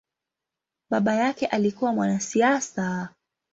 Baba yake alikua mwanasiasa.